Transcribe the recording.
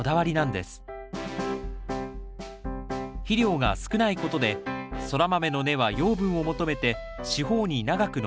肥料が少ないことでソラマメの根は養分を求めて四方に長く伸びます。